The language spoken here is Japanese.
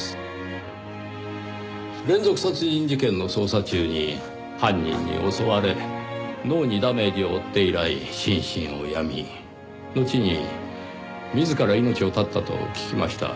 連続殺人事件の捜査中に犯人に襲われ脳にダメージを負って以来心身を病みのちに自ら命を絶ったと聞きました。